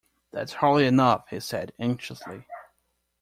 ‘That’s hardly enough,’ he said, anxiously.